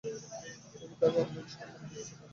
তিনি তাকে অনেক সম্মান দিয়েছিলেন।